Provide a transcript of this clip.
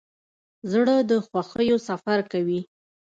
زړه د خوښیو سفر کوي.